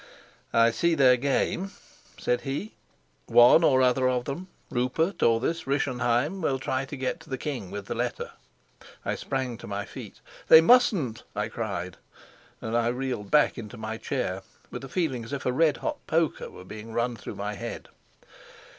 "I see their game," said he. "One or other of them, Rupert or this Rischenheim, will try to get to the king with the letter." I sprang to my feet. "They mustn't," I cried, and I reeled back into my chair, with a feeling as if a red hot poker were being run through my head.